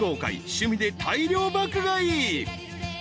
［趣味で大量爆買い］